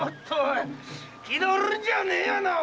気取るんじゃねえや！